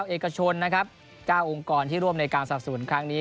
๙เอกชน๙องค์กรที่ร่วมในการสรรพสมุนครั้งนี้